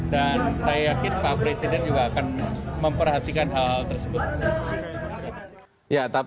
dan saya yakin pak presiden juga akan memperhatikan hal hal tersebut